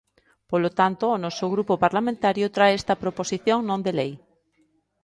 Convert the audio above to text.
Polo tanto, o noso grupo parlamentario trae esta proposición non de lei.